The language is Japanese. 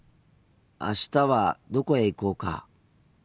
あしたはどこへ行こうか？